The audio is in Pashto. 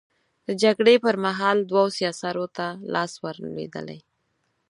د جګړې پر مهال دوو سياسرو ته لاس ور لوېدلی.